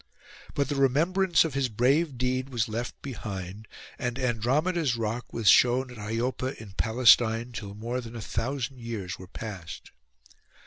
But the remembrance of his brave deed was left behind; and Andromeda's rock was shown at Iopa in Palestine till more than a thousand years were past.